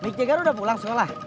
mik jagar udah pulang sekolah